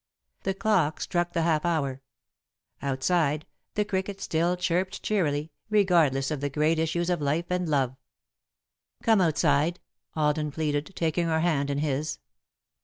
The clock struck the half hour. Outside, the cricket still chirped cheerily, regardless of the great issues of life and love. "Come outside," Alden pleaded, taking her hand in his.